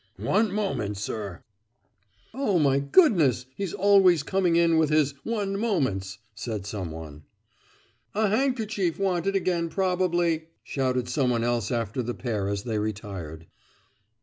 "One moment, sir!" "Oh, my goodness! he's always coming in with his 'one moments'!" said someone. "A handkerchief wanted again probably!" shouted someone else after the pair as they retired.